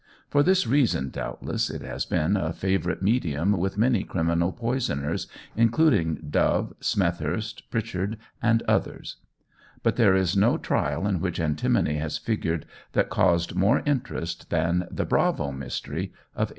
For this reason, doubtless, it has been a favourite medium with many criminal poisoners, including Dove, Smethurst, Pritchard, and others; but there is no trial in which antimony has figured that caused more interest than the "Bravo Mystery" of 1876.